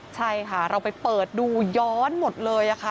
ใช่ค่ะเราไปเปิดดูย้อนหมดเลยค่ะ